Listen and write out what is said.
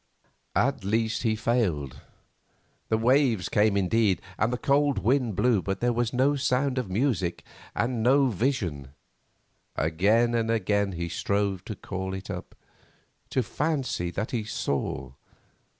At least he failed. The waves came indeed, and the cold wind blew, but there was no sound of music, and no vision. Again and again he strove to call it up—to fancy that he saw.